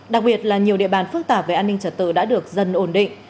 đặc biệt là nhiều địa bàn phức tạp về an ninh trật tự đã được dân ổn định